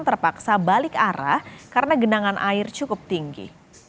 terpaksa balik arah karena genangan air cukup tinggi